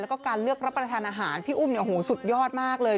แล้วก็การเลือกรับประทานอาหารพี่อุ้มเนี่ยโอ้โหสุดยอดมากเลย